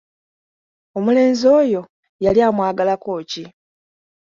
Omulenzi oyo yali amwagalako ki?